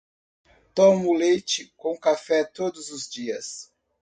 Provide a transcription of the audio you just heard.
Tomo leite com café todos os dias